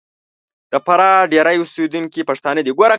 د فراه ډېری اوسېدونکي پښتانه دي.